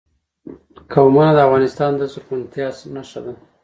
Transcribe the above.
قومونه د افغانستان د زرغونتیا نښه ده.